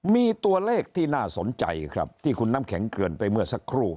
มีตัวเลขที่น่าสนใจครับที่คุณน้ำแข็งเกินไปเมื่อสักครู่